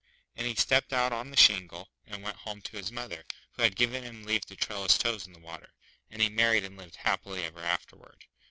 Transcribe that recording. And he stepped out on the shingle, and went home to his mother, who had given him leave to trail his toes in the water; and he married and lived happily ever afterward.